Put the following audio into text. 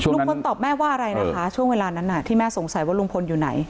ตอบแม่ว่าอะไรนะคะช่วงเวลานั้นที่แม่สงสัยว่าลุงพลอยู่ไหน